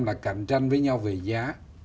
là cạnh tranh với nhau về giá